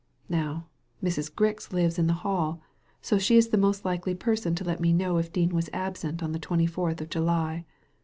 Now, Mrs. Grix lives in the Hall, so she is the most likely person to let me know if Dean was absent on the twenty fourth of July.